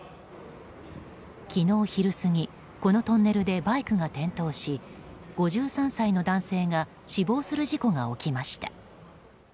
昨日昼過ぎこのトンネルでバイクが転倒し５３歳の男性が死亡する事故が起きました。